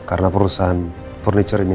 karena perusahaan furniture ini